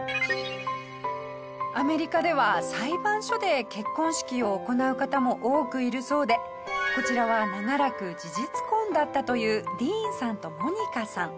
アメリカでは裁判所で結婚式を行う方も多くいるそうでこちらは長らく事実婚だったというディーンさんとモニカさん。